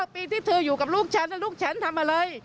ปีที่เธออยู่กับลูกฉันลูกฉันทำอะไร